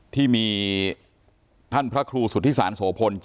ที่มีท่านพระครูสุธิศาลโสพล